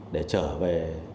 để trở về